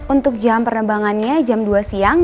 untuk jam penerbangannya jam dua siang